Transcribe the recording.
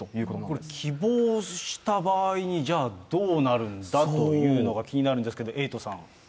これ、希望した場合に、じゃあ、どうなるんだというのが気になるんですけれども、エイトさん。